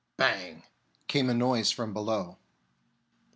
Bang!_ came a noise from below.